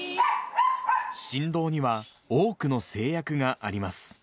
神童には多くの制約がありま